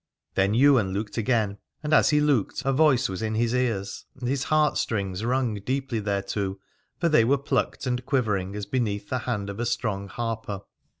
Then Ywain looked again, and as he looked a voice was in his ears, and his heartstrings rung deeply thereto, for they were plucked and quivering as beneath the hand of a strong harper.